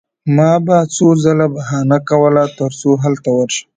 ما به څو ځله بهانه کوله ترڅو هلته ورشم